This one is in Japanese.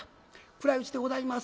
暗いうちでございます。